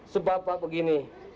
sebab pak begini